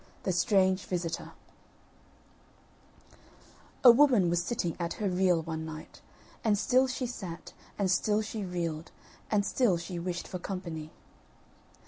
THE STRANGE VISITOR A woman was sitting at her reel one night; And still she sat, and still she reeled, and still she wished for company.